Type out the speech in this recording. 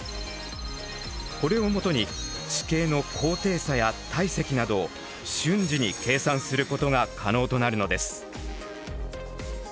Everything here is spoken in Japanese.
これを基に地形の高低差や体積などを瞬時に計算することが可能となるのです。